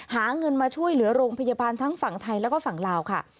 หาเงินมาช่วยเหลือโรงพยาบาลทั้งฝั่งไทยแล้วก็ฝั่งลาวค่ะ